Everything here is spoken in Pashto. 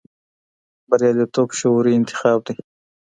بریالیتوب شعوري انتخاب دی.